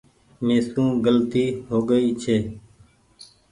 ميسو گلتي هوگئي ڇي